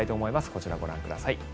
こちらからご覧ください。